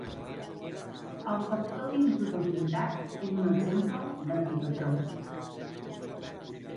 El factor d'improbabilitat és un exemple d'antipatró.